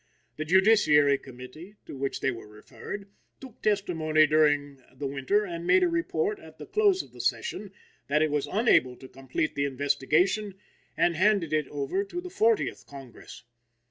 The Judiciary Committee, to which they were referred, took testimony during the winter and made a report at the close of the session that it was unable to complete the investigation, and handed it over to the Fortieth Congress.